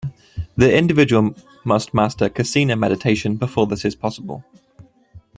The individual must master "kasina" meditation before this is possible.